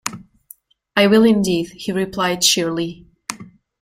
"I will, indeed," he replied cheerily.